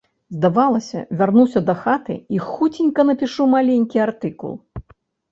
Здавалася, вярнуся дахаты і хуценька напішу маленькі артыкул.